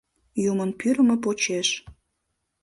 Юмын пӱрымӧ почеш.